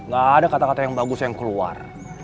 gak ada kata kata yang bagus yang keluar